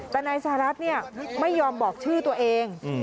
แต่นายสหรัฐไม่ยอมบอกชื่อตัวเอง